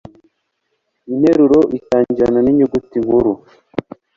Interuro itangirana ninyuguti nkuru.